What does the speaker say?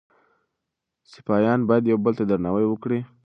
سپایان باید یو بل ته درناوی وکړي.